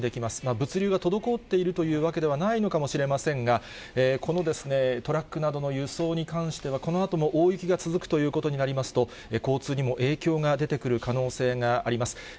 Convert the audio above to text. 物流が滞っているというわけではないのかもしれませんが、このトラックなどの輸送に関しては、このあとも大雪が続くということになりますと、交通にも影響が出てくる可能性があります。